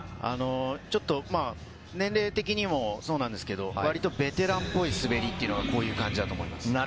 ちょっと年齢的にもそうなんですけど、割とベテランっぽい滑りというのが、こういう感じだと思います。